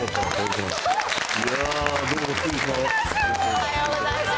おはようございます。